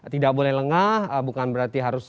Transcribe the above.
tidak boleh lengah bukan berarti harus